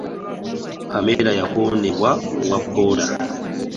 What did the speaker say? Pamela yakonebwa owa booda.